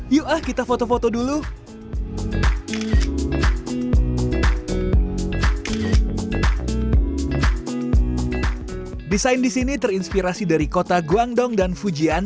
yuk kita foto foto dulu desain di sini terinspirasi dari kota guangdong dan fujian